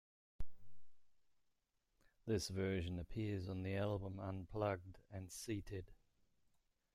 This version appears on the album "Unplugged...and Seated".